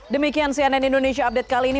demikian cnn indonesia update kali ini